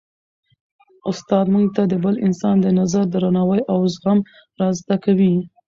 استاد موږ ته د بل انسان د نظر درناوی او زغم را زده کوي.